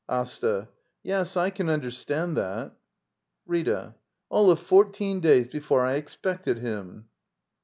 Asta. Yes, I can understand that. RrrA. All of fourteen dajrs before I expected him!